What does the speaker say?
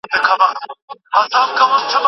که د نکاح پرته بل عمل شرط وي، څه کیږي؟